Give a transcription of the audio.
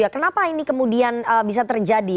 kenapa ini kemudian bisa terjadi